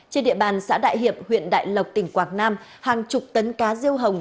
trên địa bàn xã đại hiệp huyện đại lộc tỉnh quảng nam hàng chục tấn cá riêu hồng